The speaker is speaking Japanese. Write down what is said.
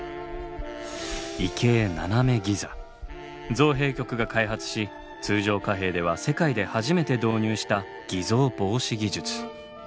造幣局が開発し通常貨幣では世界で初めて導入した偽造防止技術。